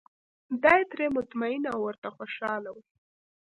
دای ترې مطمین او ورته خوشاله و.